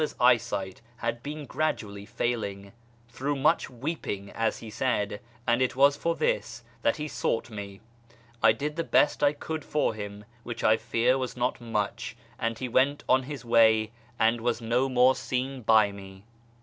FROM SHIrAZ to YEZD 347 father's eyesight had been gradually failing " throngh much weeping," as he said ; and it was for this that he had sought me. I did the best I could for him (which, I fear, was not much), and he went on his way and was no more seen by me.